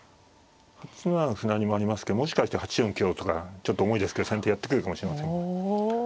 ８七歩成もありますけどもしかして８四香とかちょっと重いですけど先手やってくるかもしれませんよね。